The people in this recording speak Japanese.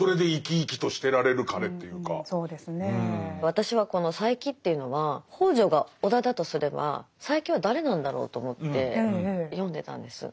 私はこの佐柄木というのは北條が尾田だとすれば佐柄木は誰なんだろうと思って読んでたんです。